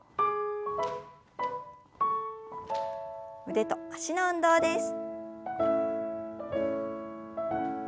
腕と脚の運動です。